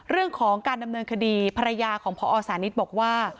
เรื่องของการดำเนินคดีภรรยาของพอสานิทบอกว่า